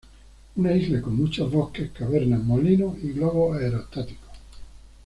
Una isla con muchos bosques, cavernas, molinos y globos aerostáticos.